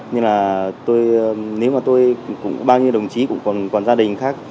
nhưng mà tôi nếu mà tôi cũng có bao nhiêu đồng chí cũng còn gia đình khác